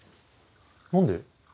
何で？